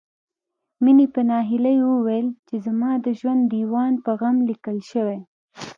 مينې په ناهيلۍ وويل چې زما د ژوند ديوان په غم ليکل شوی